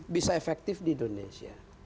bisa efektif di indonesia